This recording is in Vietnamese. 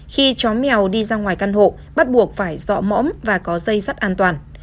khi chó mèo đi ra ngoài căn hộ bắt buộc phải dọ mõm và có dây sắt an toàn